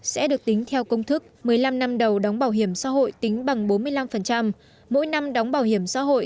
sẽ được tính theo công thức một mươi năm năm đầu đóng bảo hiểm xã hội tính bằng bốn mươi năm mỗi năm đóng bảo hiểm xã hội